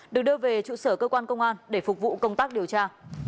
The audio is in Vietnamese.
được đưa về trụ sở cơ quan công an để phục vụ công tác điều tra